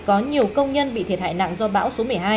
có nhiều công nhân bị thiệt hại nặng do bão số một mươi hai